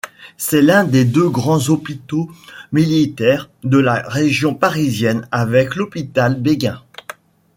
C'est l'un des deux grands hôpitaux militaires de la région parisienne avec l'Hôpital Bégin.